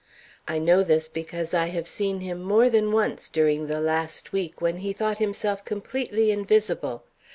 I know this, because I have seen him more than once during the last week, when he thought himself completely invisible.